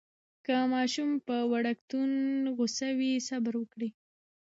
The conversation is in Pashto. که ماشوم پر وړکتون غوصه وي، صبر وکړئ.